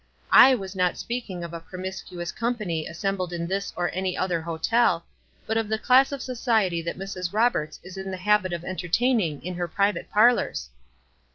/was not speaking of a promiscuous company as sembled in this or any other hotel, but of the class of society that Mrs. Roberts is in the habit of entertaining in her private parlors."